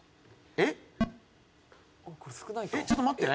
えっ？